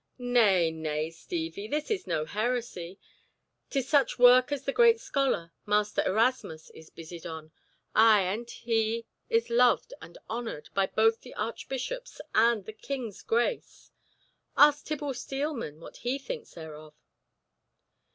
"Nay, nay, Stevie, this is no heresy. 'Tis such work as the great scholar, Master Erasmus, is busied on—ay, and he is loved and honoured by both the Archbishops and the King's grace! Ask Tibble Steelman what he thinks thereof."